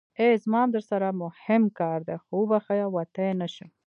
ای زما ام درسره موهم کار دی خو وبښه وتی نشم.